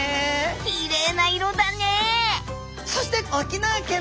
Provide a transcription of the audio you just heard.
きれいな色だね。